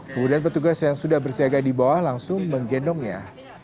kemudian petugas yang sudah bersiaga di bawah langsung menggendongnya